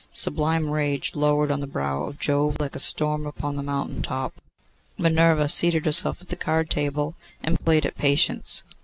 Sublime rage lowered on the brow of Jove like a storm upon the mountain top. Minerva seated herself at the card table and played at Patience.